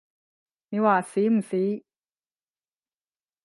你話死唔死？